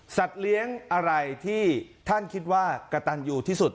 เลี้ยงอะไรที่ท่านคิดว่ากระตันยูที่สุด